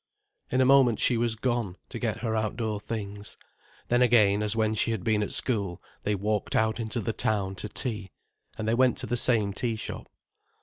In a moment she was gone, to get her outdoor things. Then again, as when she had been at school, they walked out into the town to tea. And they went to the same tea shop.